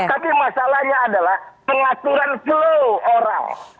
tapi masalahnya adalah pengaturan flow orang